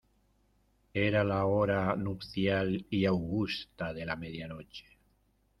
era la hora nupcial y augusta de la media noche.